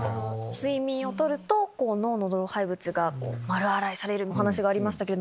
睡眠をとると脳の老廃物が丸洗いされるお話がありましたけど。